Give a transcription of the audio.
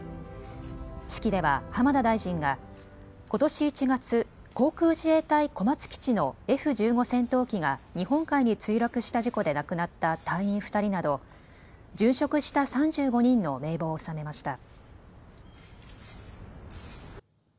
式では浜田大臣がことし１月、航空自衛隊小松基地のＦ１５戦闘機が日本海に墜落した事故で亡くなった隊員２人など殉職した３５人の名簿を納めました。